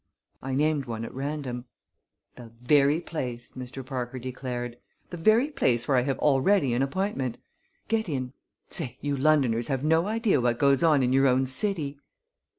I named one at random. "The very place!" Mr. Parker declared; "the very place where I have already an appointment. Get in. Say, you Londoners have no idea what goes on in your own city!"